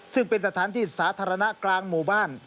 ซึ่งเป็นสถานที่สาธารณะกลางหมู่บ้าน